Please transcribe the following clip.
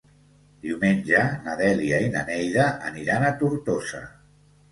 Diumenge na Dèlia i na Neida aniran a Tortosa.